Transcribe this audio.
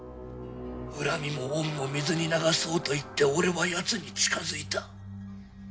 恨みも恩も水に流そうと言って俺はやつに近づいた。